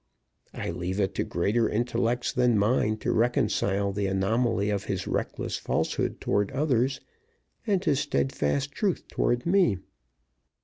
I leave it to greater intellects than mine to reconcile the anomaly of his reckless falsehood toward others and his steadfast truth toward me.